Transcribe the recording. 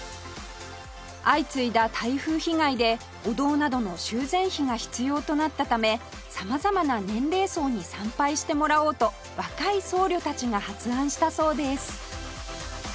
相次いだ台風被害でお堂などの修繕費が必要となったため様々な年齢層に参拝してもらおうと若い僧侶たちが発案したそうです